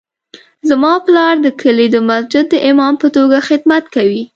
زما پلار د کلي د مسجد د امام په توګه خدمت کوي